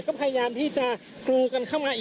คุณภูริพัฒน์บุญนิน